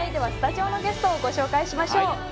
スタジオのゲストをご紹介しましょう。